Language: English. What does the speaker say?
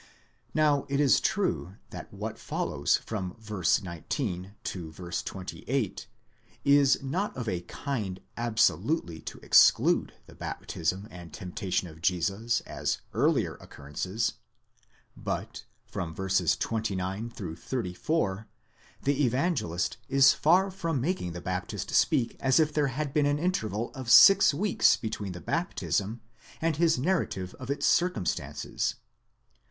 Now it is true that what follows from v. 19 to 28 is not of a kind absolutely to exclude the baptism and temptation of Jesus as earlier occurrences; but from v. 29 to 34, the Evangelist is far from making the Baptist speak as if there had been an interval of six weeks between the baptism and his narrative of its circum stances.